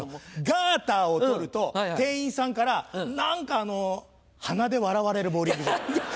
ガーターを取ると店員さんから何か鼻で笑われるボウリング場。